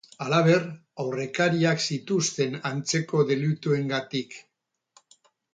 Halaber, aurrekariak zituzten antzeko delituengatik.